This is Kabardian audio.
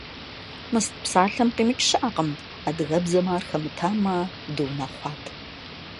«Мыст» псалъэм къимыкӏ щыӏэкъым. Адыгэбзэм ар хэмытамэ дыунэхъуат.